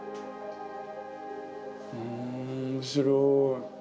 ふん面白い。